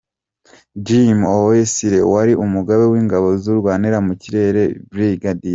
Jim Owoyesigire wari umugaba w’ingabo zirwanira mu kirere na Brig.